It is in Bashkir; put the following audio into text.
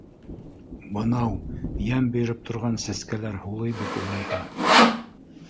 Бынау йәм биреп торған сәскәләр һулый бит улайһа.